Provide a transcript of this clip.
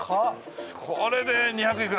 これで２００いくらだよ。